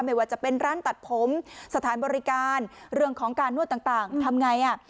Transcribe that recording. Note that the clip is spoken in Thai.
ไม่ว่าจะเป็นร้านตัดผมสถานบริการเรื่องของการนวดต่างทำไงอ่ะ